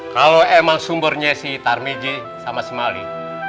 kalau emang sumbernya si tarbidiyah sama si mali